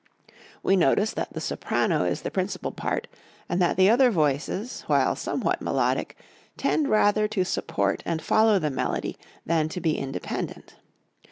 We notice that the soprano is the principal part, and that the other voices, while somewhat melodic, tend rather to support and follow the melody than to be independent.